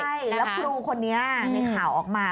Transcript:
ใช่แล้วครูคนนี้ในข่าวออกมา